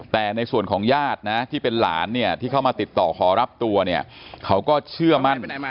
แต่ในส่วนของญาตินะที่เป็นหลานเนี่ยที่เข้ามาติดต่อขอรับตัวเนี่ยเขาก็เชื่อมั่น